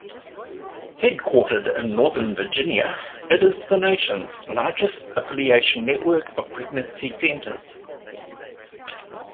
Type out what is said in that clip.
Headquartered in Northern Virginia, it is the nation's largest affiliation network of pregnancy centers.